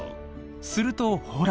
するとほら。